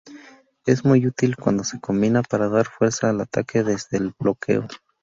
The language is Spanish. Es muy útil cuando se combina para dar fuerza al ataque desde el bloqueo.